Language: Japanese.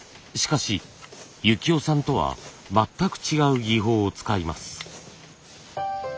しかし由紀夫さんとは全く違う技法を使います。